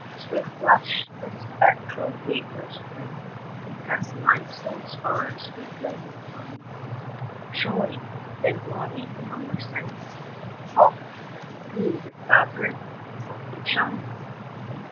Swift rush the spectral vapours white Past limestone scars with ragged pines, Showing then blotting from our sight. 15 Halt! through the cloud drift something shines!